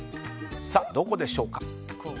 さあ、どこでしょうか。